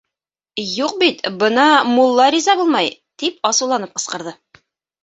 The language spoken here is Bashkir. — Юҡ бит, бына мулла риза булмай, — тип асыуланып ҡысҡырҙы.